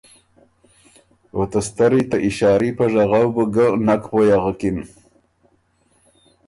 او ته ستری ته اشاري په ژغؤ بُو ګۀ نک پویٛ اغکِن۔